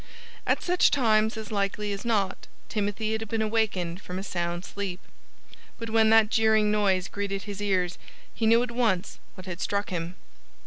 At such times as likely as not Timothy had been awakened from a sound sleep. But when that jeering noise greeted his ears he knew at once what had struck him.